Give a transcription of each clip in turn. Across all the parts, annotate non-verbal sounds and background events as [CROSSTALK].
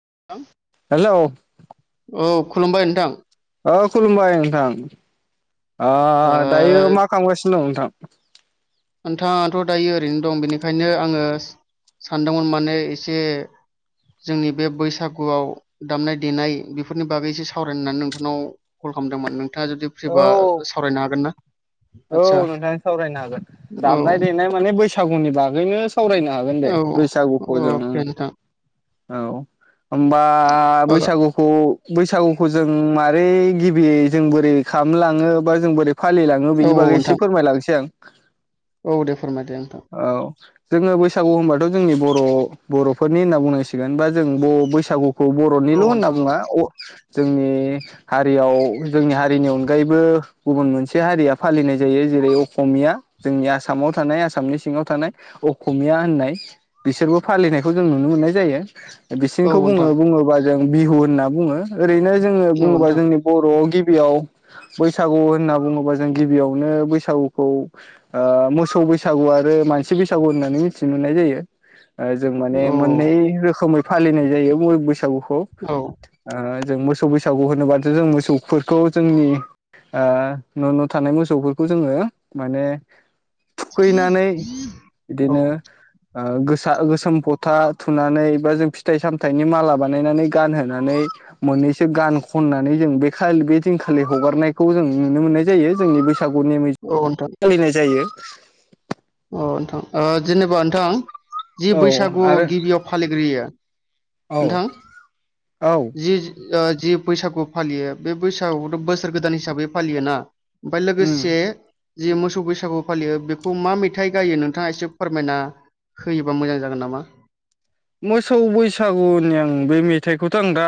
नोंथां हेलौ औ खुलुमबाय नोंथां। ओ खुलुमबाय नोंथां ओ दायो मा खालामगासिनो दं नोंथां? नोंथाङाथ' दायो ओरैनो दं बेनिखायनो आङो सानदोंमोन माने एसे जोंनि बे बैसागुआव दामनाय देनाय बेफोरनि बागैसो सावरायनानै नोंथांनाव खामदोमोन नोंथाङा जुदि औ फ्रिबा सावरायनो हागोन ना? औ आदसा नोंथां सावरायनो हागोन औ दामनाय देनाय माने बैसागुनि बागैनो सावरायनो हागोन दे औ बैसागुखौ जों अके नोंथां औ होमबा ओ बैसागुखौ बैसागुखौ जों मा बे गिबि जों बोरै खामलाङो बा जों बोरै फालिलाङो औ बेनि बागै एसे नोंथां फोरमायलांसै आं [INAUDIBLE] औ दे। फोरमायदो नोंथां औ जोङो बैसागु होनबाथ' जोंनि बर' बर'फोरनि होनना बुंनांसिगोन बा जों ब बैसागु खौ औ बर'निल' होनना नोंथां औ बुङा जोंनि हारियाव जोंनि हारिनि अनगायैबो गुबुन मोनसे हारिया फालिनाय जायो। जेरै अख'मिया जोंनि आसामाव थानाय आसामनि सिङाव थानाय अख'मिया होननाय बिसोरबो फालिनायखौ जों नुनो मोननाय जायो। औ बिसिनिखौ नोंथां बुङो बुङोबा जों बिहु होनना बुङो ओरैनो जोङो औ बुङोबा नोंथां जोंनि बर' गिब बियाव बैसागु होनना बुङोबा जों गिबियावनो बैसागुखौ मोसौ ओ बैसागु आ ओ मानसि बैसागु होननानै मिथिनो मोननाय जायो ओ जों माने औ मोननै रोखोमै फालिनाय जायो [UNINTELLIGIBLE] बैसागु। औ जों मोसौ बैसागु होनोबाथो जों मोसौफोरखौ जोंनि ओ न' न' थानाय मोसौफोरखौ जोङो माने थुखैनानै औ दिनो ओ गोसा गोसोम फथा थुनानै बा जों फिथाइ सामथाइनि माला बानायनानै गानहोनानै मोननैसो गान खननानै जों बे खालि बे दिनखालि हगारनायखौ जों नुनो मोननाय जायो जोंनि बेस सागुनि नोंथां [UNINTELLIGIBLE] सोलिनाय जायो। अ नोंथां ओ जेनेबा नोंथां जि औ बैसागु आरो गिबियाव फालिग्रोयो औ नोंथां औ । जि ओ जि बैसागु फालियो बे बैसागुखौथ' बोसोर गोदान हिसाबै फालियो ना ‌। ओमफ्राय उम लोगोसे जि मोसौ बैसागु फालियो बेखौ मा मे थाइ गायो नोंथाङा एसे फोरमायना होयोबा मोजां जागोन नामा? मोसौ बैसागुनि आं बे मेथाइखौथ' आं दा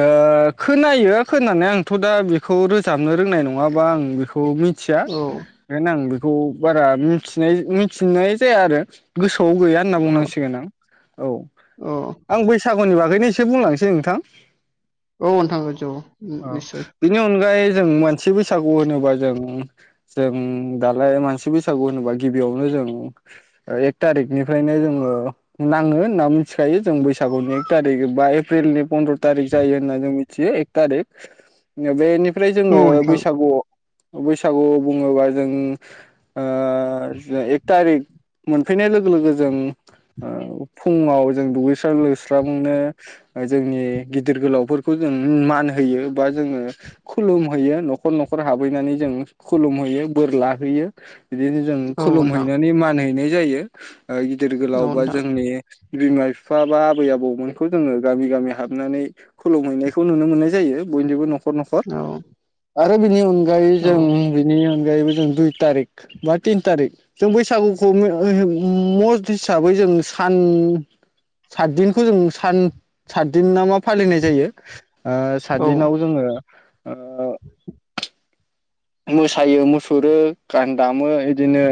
ओ खोनायो दा खोनानाया आंथ' दा बेखौ रोजाबनो रोंनाय नङाबा आं बेखौ खौ मिथिया औ ओंखायनो आं बेखौ बारा मिथिनाय मिथिनाय जाया आरो गोसोआव गैया होनना औ बुंनांसिगोन आं । औ औ आं बैसागुनि बागैनो एसे बुंलांसै नोंथां । औ नोंथां औ अ निस्सय बिनि अनगायै जों मोनसि बैसागु होनोबा जों जों दालाय मानसि बैसागु होनोबा गिबियावनो जों एक थारिखनिफ्रायनो जोङो नाङो होनना मिथिखायो जों बैसागुनि एक थारिक बा एप्रिलनि फन्द्र थारिख जायो होनना जों मिथ थिओ एक थारिक बेनिफ्राय औ जोङो नोंथां बैसागुआव बैसागु बुङोबा जों ओ एक थारिक मोनफैनाय लोगो लोगो जों ओ [INAUDIBLE] फुङाव जों दुगैस्रां लोबस्रांनो जोंनि गिदिर गोलावफोरखौ जों मान होयो बा जोङो खुलुम हैयो न'खर न'खर हाबहैनानै जों खुलुम हैयो बोर ला होयो बिदिनो जों औ खुलुम हैनानै मान हैनाय जायो ओ गिदिर गोलाव बा नोंथां नि बिमा बिफा बा आबै आबौमोनखौ जोङो गामि गामि हाबनानै खुलुमहैनायखौ नुनो मोन मोननाय जायो बयनिबो न'ख औ । आरो बिनि अनगायै जों बिनि गायैबो दुइ थारिक बा थिन थारिख जों बैसागुखौ [INAUDIBLE] मस्ट हिसाबै जों सान साथदिनखौ जों सान साथदिन नामा फालिनाय जायो । ओ औ साथदिनाव जोङो ओ मोसायो मुसुरो गान दामो इदिनो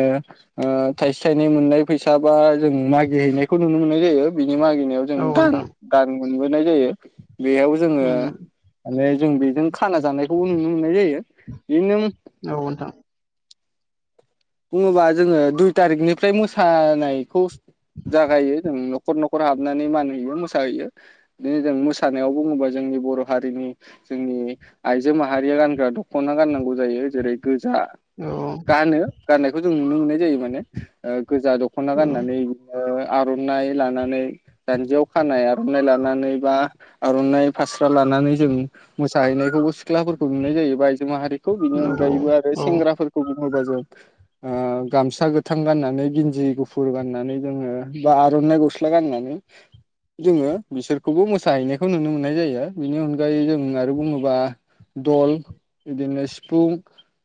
ओ थाइसे थाइनै मोननाय फैसा साबा जों मागि हैैनायखौ नुनो मोननाय जायो । मागिनायाव जों औ गान नोंथां गान मोनबोनाय जायो बेयावबो जोङो उम माने जों बेजों खाना जानायखौबो नुनो मोननाय जायो बिदिनो औ नोंथां । बुङोबा जोङो दुइ थारिखनिफ्राय मोसानायखौ जागायो जों न'खर न'खर हाबनानै मानहैयो मोसाहैयो बिदिनो जों मोसानायाव बुङोबा जोंनि बर' हारिनि जोंनि आइजो माहारिया गानग्रा दखना गाननांगौ जायो जेरै गोज जा औ गानो गाननायखौ जों नुनो मोननाय जायो माने ओ गोजा दखना गाननानै ओ आरनाइ लानानै दानजियाव खानाय आरनाइ लानानै बा आरनाइ फास्रा लाना नानै जों मोसाहैनायखौबो सिख्लाफोरखौ नुनाय जायो बा आइजो माहारि खौ बिनि औ अनगायैबो आरो औ सेंग्राफोरखौ बुङोब्ला जों [INAUDIBLE] ओ गामसा गोथां गाननानै गिन्दि गुफुर गाननानै जोङो बा आरनाइ गस्ला गाननानै [INAUDIBLE] जोङो बिसोरखौबो मोसाहैनायखौ नुनो मोननाय जायो बिनि अनगायै जों आरो बुङोबा दल बिदिनो सिफुं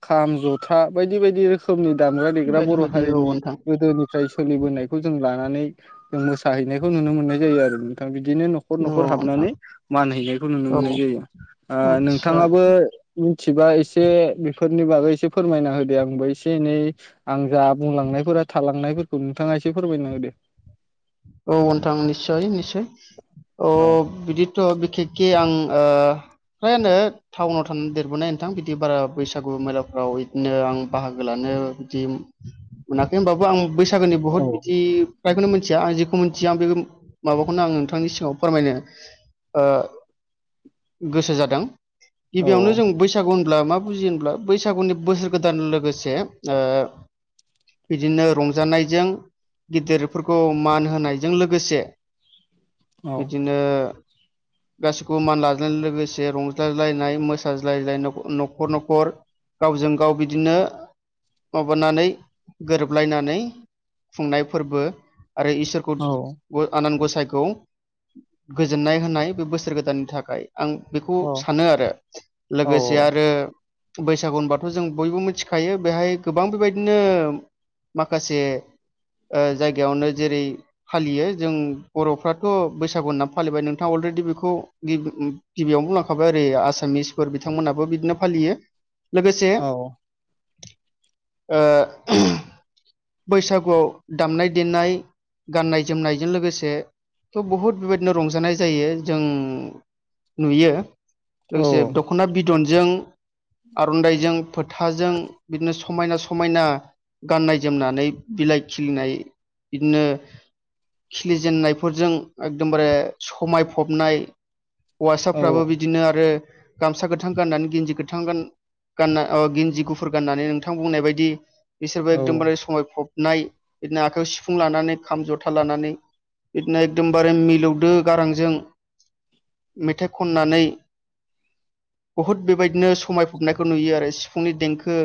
खाम जथा बायदि बायदि रोख खोमनि दामग्रा देग्रा बायदि बर' बायदि औ हारिनि नोंथां गोदोनिफ्राय सोलिबोनायखौ जों ला नानै जों मोसाहैनायखौ नुनो मोननाय जायो आरो नोंथां । दिनो नखर औ नखर नोंथां हाबनानै मान हैैनायखौ नुनो औ मोननाय जायो। ओ आदसा नोंथाङाबो मिथिबा एसे बेफोरनि बागै एसे फोरमायना होदो आंबो एस से एनै आं जा बुंलांनायफोरा थालांनायफोरखौ नोंथाङा एसे फोरमायना होदो औ ओनथां निदस्सय निदस्सयय अ औ बिदिथ' बिखेखे आं ओ फ्रायानो टाउनाव थाना देरबोनाय नोंथां बिदि बारा बैसागु मेलाफ्राव इदिनो आं बाहागो लानो ओ बिदिम मोनाखै होमबाबो आं बैसागोनि बुहुत औ बिदि फ्रायखौनो मिथिया आं जि खौ मिथिया आं बेखौ माबाखौनो आं नोंथांनि सिगाङाव फोरमायनो ओ गोसो जादों औ गिबियावनो जों बैसागु होनब्ला मा बुजियो होनब्ला बैसागुनि बोसोर गोदान लोगोसे ओ बिदिनो रंजानायजों गेदिरफोरखौ मान होनायजों लोगोसे औ बिदिनो गासिखौबो मान लाज्लानाय लोगोसे रंज्लालायनाय मोसाज्लायलायनाय न'खर न'खर गावजों गाव बिदिनो माबानानै गोरोबलायनानै खुंनाय फोरबो आरो इसो खौ आं आनान गसाइखौ गोजोननाय होनाय बे बोसोर गोदाननि थाखाय आं बेखौ सानो आरो। लोगोसे आरो बैसागु होनबाथ' जों बयबो मिथिखायो बेहाय गोबां बेबायदिनो माखासे ओ जायगायावनो जेरै फालियो जों बर'फ्राथ' बैसागु होनना फालिबाय नोंथाङा अलरेडि बेखौ गिबियाव बुंलांखाबाय ओरै आसामिसफोर बिथांमोनाबो बिदिनो फालियो। लोगोसे ओ बैसागुआव दामनाय देनाय गाननाय जोमनायजों लोगोसे थ' बहुद बेबायदिनो रंजानाय जायो जों नुयो। लोगोसे दख'ना बिदनजों आर'नाइजों फोथाजों बिदिनो समायना समायना गाननाय जोमनानै बिलाइ खिलिनाय बिदिनो खिलिजेननायफोरजों एकदमबारे समायफबनाय हौवासाफ्राबो बिदिनो आरो गामसा गोथां गाननानै गेन्जि गोथां गान गानना अ' गिन्ज गुफुर गाननानै नोंथां बुंनाय बायदि बिसोरबो एकदमबारे समाय फबनाय बिदिनो आखाइयाव सिफुं लानानै खाम जथा लानानै बिदिनो एकदमबारे मिलौदो गारांजों मेथाइ खननानै बहुद बेबायदिनो समायफबनायखौ नुयो आरो सिफुंनि देंखो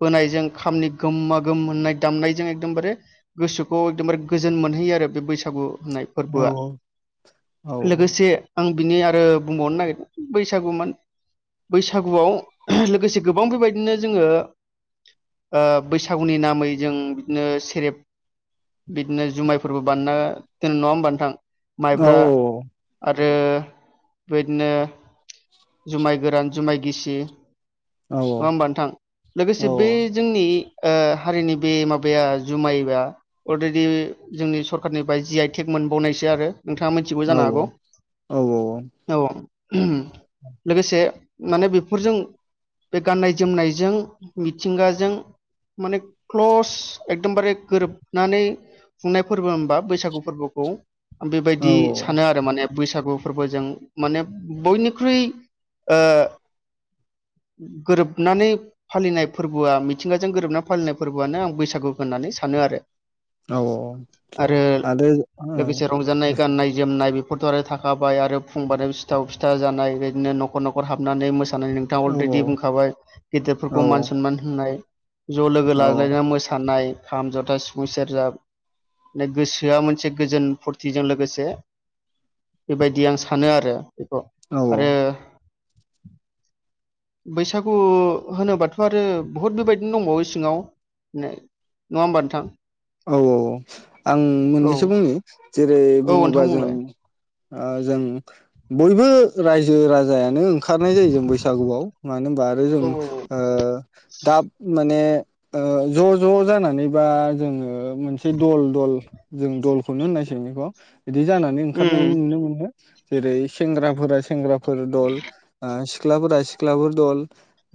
बोनायजों खामनि गोमा गोम होननाय दामनायजों एकदमबारे गोसोखौ एकदम बारे गोजोन मोनहैयो आरो बे बैसागु होननाय फोरबोआ। लोगोसे आं बिनि आरो बुंबावनो नागिरदों बैसागु माने बैसागुआव लोगोसे गोबां बेबायदिनो जोङो ओ बैसागुनि नामै जों बिदिनो सेरेब बिदिनो जुमायफोरबो बानायना दोनो नङा होमबा नोंथां? माइब्रा आ रो बेबायदिनो जुमाय गोरान जुमाय गिसि नङा होमबा नोंथां? लोगोसे बे जोंनि ओ हारिनि बे माबाया जुमायया अलरेडि जोंनि सरखारनिफ्राय जि आइ टेक मोनबावनायसो आरो। नोंथाङा मिथियोबो जानो हागौ? औ लोगोसे माने बेफोरजों बे गाननाय जोमनायजों मिथिंगाजों माने क्लस एकदमबारे गोरोब नानै खुंनाय फोरबो होनबा बैसागु फोरबोखौ आं बेबायदि सानो आरो माने बै सागु फोरबोजों माने बयनिख्रुइ ओ गोरोबनानै फालिनाय फोरबोआ मिथिंगाजों गोरोबनानै फालिनाय फोरबोआनो आं बैसागुखौ होननानै सानो आरो। आरो लोगोसे रंजानाय गाननाय जोमनाय बे फोरथ' आरो थाखाबाय। आरो फुंबानो सिथाव फिथा जानाय बिदिनो न'खर न'खर हाबनानै मोसा नाय नोंथाङा अलरेडि बुंखाबाय गेदेरफोरखौ मान सनमान होनाय। ज' लोगो लाज्लायना मोसानाय खाम, जथा सि फुं, सेरजा गोसोआ मोनसे गोजोन फुरथिजों लोगोसे बेबायदि आं सानो आरो बेखौ। आरो बैसागु होनोबाथ' आरो बहुद बेबायदिनो दंबावो सिङाव बिदिनो नङा होमबा नोंथां? औ औ औ आं औ मोननैसो बुंनि जेरै औ बुङोबा नोंथां जों बुंलाय ओ जों बयबो रायजो राजाया नो ओंखारनाय जायो जों बैसागुआव, मानो होनबा आरो जों औ औ ओ दाब माने ओ ज' ज' जानानैबा जोङो मोनसे दल दल जों दल खौनो होननाय सै बेखौ, बिदि जानानै ओंखारनाय उम नुनो मोनो। जेरै सेंग्राफोरा सेंग्राफोर दल, सिख्लाफोरा सिख्लाफोर दल।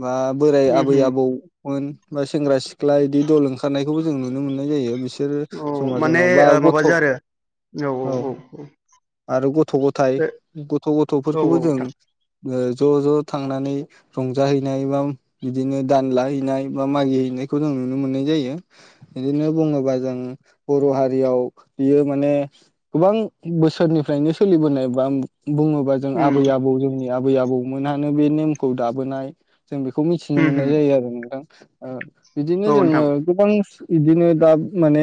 बा बोराय उम आबै उम आबौमोन, बा सेंग्रा सिख्ला बिदि दल ओंखारनायखौबो जों नुनो मोनो। मोन्नाय जायो बिसोर औ माने समाजनाव बा गथ, माबाजों आरो ' औ। आरो गथ' गथाय, बे गथ' औ गथ'फोरखौबो जों नोंथां ओ ज' ज' थांनानै रंजाहैनाय बा बिदिनो दान लाहैैनाय बा मागि हैैनाय खौ जों नुनो मोननाय जायो। बिदिनो बुङोबा जों बर' हारियाव बियो माने गोबां बोसोरनिफ्राय नो सोलिबोनाय बा बुङोबा जों उम आबै आबौ जोंनि आबै आबौमोनहानो बे नेमखौ दाबोनाय। जों बेखौ मिथिनो उम मोननाय उम जायो आरो नोंथां। ओ औ बिदिनो नोंथां जोङो गोबां बिदिनो दा माने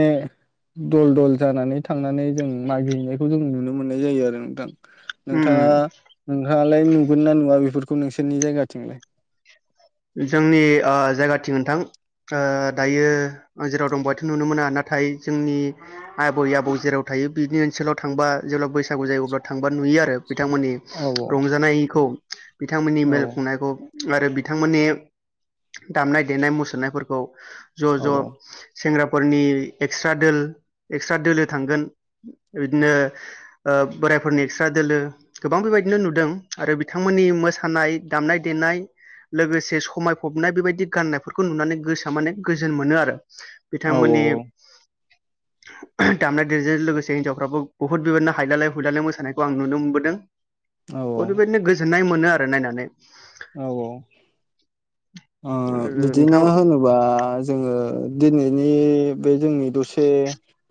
दल दल जानानै थांनानै जों मागिहैनायखौ जों नुनो मोननाय जायो आरो नोंथां। नोंथाङा उम नोंथाङालाय नुगोन ना नुवा बेफोरखौ खौ नोंसोरनि जायगाथिंलाय? जोंनि ओ जायगाथिं नोंथां ओ दायो आं जेराव दं बेयावथ' नुनो मोना, नाथाय जोंनि आबै आबौ जेराव थायो यो बिनि ओनसोलाव थांबा जेब्ला बैसागु जायो अब्ला थांबा नुयो आरो। बिथांमोननि औ रंजानायखौ। बिथांमोननि औ मेल खुंनायखौ, आरो बिथांमोननि दामनाय देनाय मुसुरनायफोरखौ, ज' औ ज' सेंग्रा फरनि एक्स्ट्रा डेल, एक्स्ट्रा डेलो थांगोन। बिदिनो ओ बोर जायफोरनि एक्स्रा दोलो गोबां बेबायदिनो नुदों आरो बिथांमोननि मोसानाय दामनाय देनाय लोगोसे समायफबनाय बेबायदि गाननायफोरखौ नुनानै गोसोआ माने गोजोन मोनो आरो। औ बिथांमोननि दामनाय देनायजों लोगोसे हिनजावफ्राबो बुहुत बेबायदिनो हायलालाय हुइलालाय मोसानायखौ आं नुनो मोनबोदों। औ ओरैबायदिनो गोजोननाय मोनो आरो नायनानै। औ औ। ओ आरो बिदिनो नोंथां होनोबा जोङो दिनैनि बे जोंनि दसे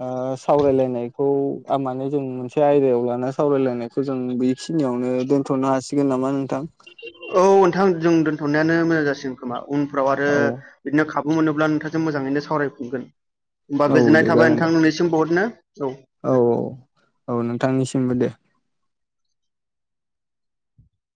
ओ सावरायलायनायखौ माने जों मोनसे आयदायाव लाना सा सावरायलायनायखौ जों बेखिनियावनो दोनथ'नो हासिगोन नामा नोंथां? औ नोंथां जों दोनथ'नायानो मोजां जासिग खोमा। उनफ्राव आरो औ बिदिनो खाबु मोनोब्ला नोंथांजों मोजाङैनो सावरायफिनगोन। होमबा औ दे गोजोननाय थाबाय जागोन दे। नोंथां मोननिसिम बहुतनो। औ औ औ नोंथांनिसिमबो दे।